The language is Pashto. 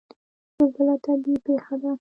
زلزله طبیعي پیښه ده